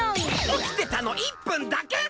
起きてたの１分だけ！？